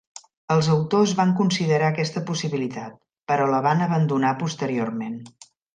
Els autors van considerar aquesta possibilitat, però la van abandonar posteriorment.